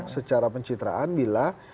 secara pencitraan bila